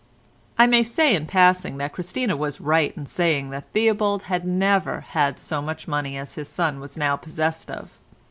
I may say in passing that Christina was right in saying that Theobald had never had so much money as his son was now possessed of.